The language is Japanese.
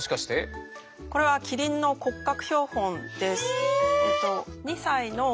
これはキリンの骨格標本です。